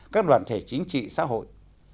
các đoàn thể chính trị xã hội